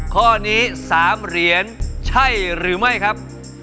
ข้อนี้๓เหรียญใช่หรือไม่ครับ